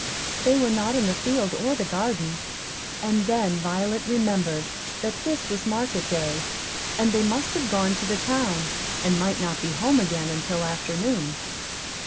They were not in the field or the garden; and then Violet remembered that this was market day, and they must have gone to the town, and might not be home again until afternoon.